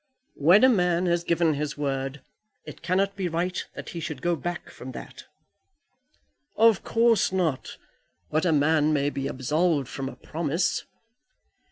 "When a man has given his word, it cannot be right that he should go back from that." "Of course not. But a man may be absolved from a promise.